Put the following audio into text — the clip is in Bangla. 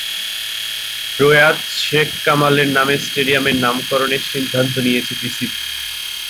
প্রয়াত শেখ কামালের নামে স্টেডিয়ামের নামকরণের সিদ্ধান্ত নিয়েছে বিসিবি।